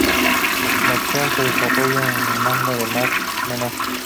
La acción se desarrolla en La Manga del Mar Menor.